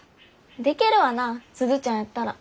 でけるわな鈴ちゃんやったら。